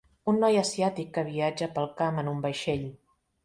Un noi asiàtic que viatja pel camp en un vaixell.